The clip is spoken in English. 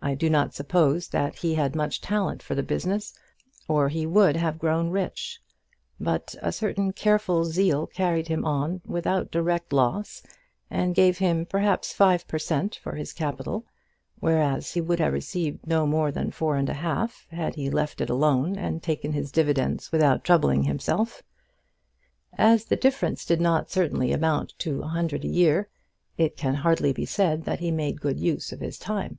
I do not suppose that he had much talent for the business, or he would have grown rich; but a certain careful zeal carried him on without direct loss, and gave him perhaps five per cent for his capital, whereas he would have received no more than four and a half had he left it alone and taken his dividends without troubling himself. As the difference did not certainly amount to a hundred a year, it can hardly be said that he made good use of his time.